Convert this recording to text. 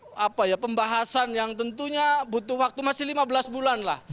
menjadi pembahasan yang tentunya butuh waktu masih lima belas bulan lah